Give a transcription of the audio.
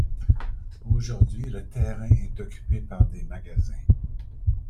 Aujourd’hui le terrain est occupé par des magasins.